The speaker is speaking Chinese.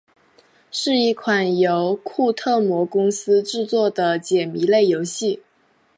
是一款由特库摩公司制作的解谜类游戏。